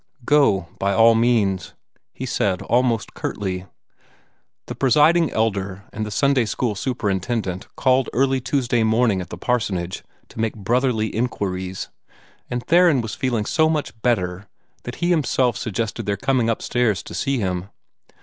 "Go, by all means," he said almost curtly. The Presiding Elder and the Sunday school superintendent called early Tuesday morning at the parsonage to make brotherly inquiries, and Theron was feeling so much better that he himself suggested their coming upstairs to see him.